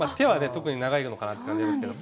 特に長いのかなって感じですけど。